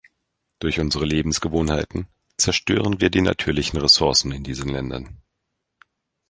Durch unsere Lebensgewohnheiten zerstören wir die natürlichen Ressourcen in diesen Ländern.